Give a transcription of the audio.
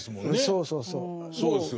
そうそうそう。